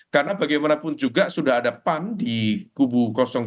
karena bagaimanapun juga sudah ada pan di kubu dua